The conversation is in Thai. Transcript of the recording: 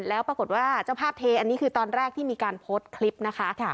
แล้วปรากฏว่าเจ้าภาพเทอันนี้คือตอนแรกที่มีการโพสต์คลิปนะคะ